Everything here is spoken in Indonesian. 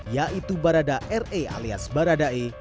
yaitu barada r e alias barada e